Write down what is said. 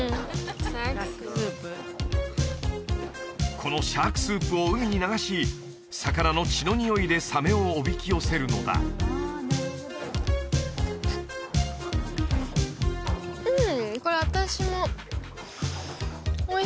このシャークスープを海に流し魚の血のにおいでサメをおびき寄せるのだうん